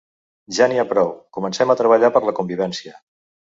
Ja n’hi ha prou, comencem a treballar per la convivència.